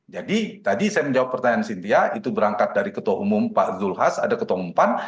jadi tadi saya menjawab pertanyaan cynthia itu berangkat dari ketua umum pak zulhas ada ketua umum pan